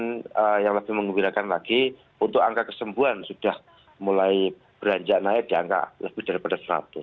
dan yang lebih mengubahkan lagi untuk angka kesembuhan sudah mulai beranjak naik di angka lebih daripada seratus